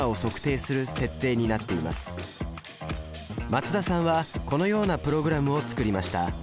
松田さんはこのようなプログラムを作りました。